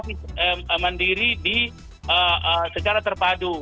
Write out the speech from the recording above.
kita bisa menghasilkan isolasi mandiri secara terpadu